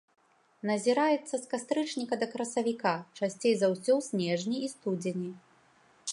Назіраецца з кастрычніка да красавіка, часцей за ўсё ў снежні і студзені.